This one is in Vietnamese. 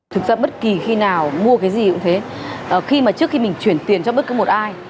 thực ra bất kỳ khi nào mua cái gì cũng thế khi mà trước khi mình chuyển tiền cho bất cứ một ai